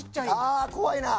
ああ怖いな。